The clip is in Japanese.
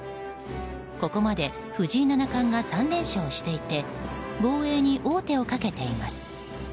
ここまで藤井七冠が３連勝していて防衛に王手をかけています。